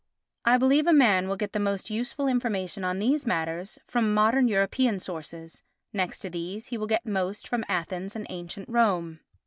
I believe a man will get the most useful information on these matters from modern European sources; next to these he will get most from Athens and ancient Rome.